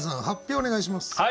発表お願いします。